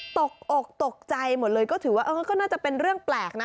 ตกอกตกใจหมดเลยก็ถือว่าก็น่าจะเป็นเรื่องแปลกนะ